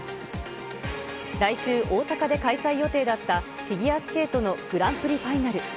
来週、大阪で開催予定だった、フィギュアスケートのグランプリファイナル。